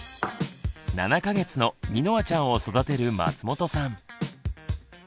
７か月のみのあちゃんを育てる松本さん。